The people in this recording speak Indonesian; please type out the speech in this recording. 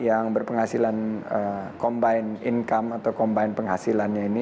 yang berpenghasilan combined income atau combined penghasilannya ini